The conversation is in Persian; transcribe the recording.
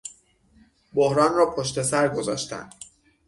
بحران را پشت سر گذاشتن